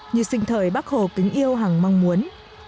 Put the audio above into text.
như sinh thời bác hồ kính yêu hằng mong muốn